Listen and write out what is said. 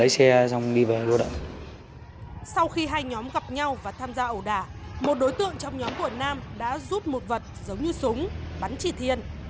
sau khi hai nhóm gặp nhau và tham gia ẩu đả một đối tượng trong nhóm của nam đã rút một vật giống như súng bắn chị thiên